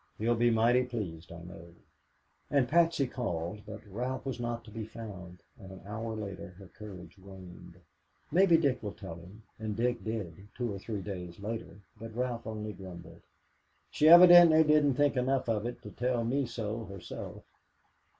"He'll be mighty pleased, I know." And Patsy called, but Ralph was not to be found, and an hour later her courage waned. "Maybe Dick will tell him," and Dick did two or three days later, but Ralph only grumbled, "She evidently didn't think enough of it to tell me so herself."